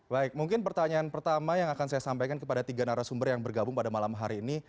baik mungkin pertanyaan pertama yang akan saya sampaikan kepada tiga narasumber yang bergabung pada malam hari ini